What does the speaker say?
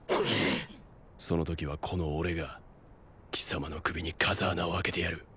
その時はこの俺が貴様の首に風穴をあけてやる。